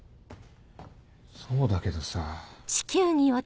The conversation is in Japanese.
そうだけどさ。